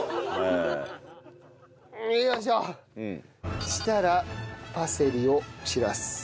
そしたらパセリを散らす。